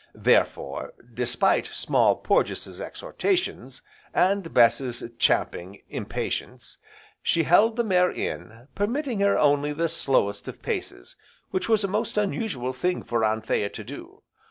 Therefore, despite Small Porges' exhortations, and Bess's champing impatience, she held the mare in, permitting her only the slowest of paces, which was a most unusual thing for Anthea to do.